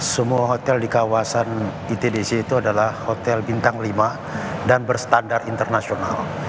semua hotel di kawasan itdc itu adalah hotel bintang lima dan berstandar internasional